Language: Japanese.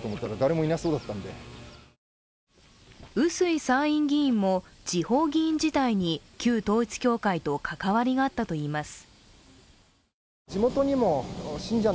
臼井参院議員も地方議員時代に旧統一教会と関わりがあったといいます。